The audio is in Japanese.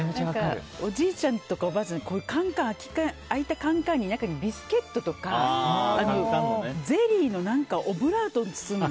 おじいちゃんとかおばあちゃんって空いた缶に中にビスケットとかゼリーをオブラートに包んだ。